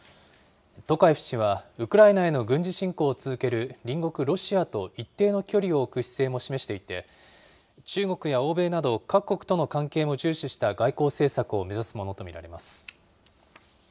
トカエフ氏はウクライナへの軍事侵攻を続ける隣国ロシアと一定の距離を置く姿勢も示していて、中国や欧米など各国との関係も重視した外交政策を目指すものと見られます。